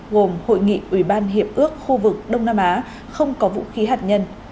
gồm hội nghị ủy ban hiệp ước khu vực đông nam á không có vũ khí hạt nhân